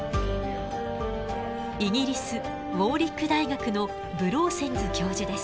イギリスウォーリック大学のブローセンズ教授です。